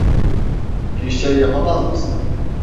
Bir şey yapamaz mısın?